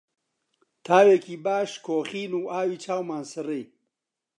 تاوێکی باش کۆخین و ئاوی چاومان سڕی